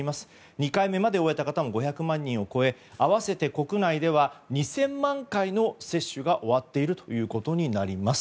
２回目を終えた方も５００万人を超え合わせて国内では２０００万回の接種が終わっていることになります。